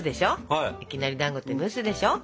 いきなりだんごって蒸すでしょ？